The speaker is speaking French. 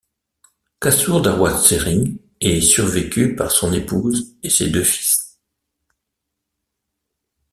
Kasur Dawa Tsering est survécu par son épouse et ses deux fils.